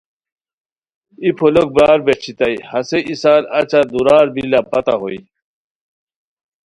ای پھولوک برار بہچیتائے ہسے ای سال اچہ دُورار بی لاپتہ ہوئے